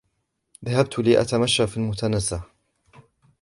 ذهبت لأتمشى في المتنزه.